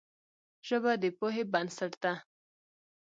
ژبه د پوهې بنسټ ده